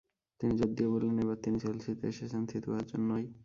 তিনি জোর দিয়ে বললেন, এবার তিনি চেলসিতে এসেছেন থিতু হওয়ার জন্যই।